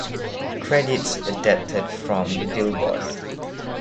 Credits adapted from "Billboard".